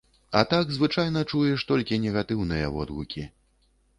А так звычайна чуеш толькі негатыўныя водгукі.